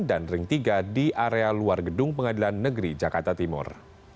dan ring tiga di area luar gedung pengadilan negeri jakarta timur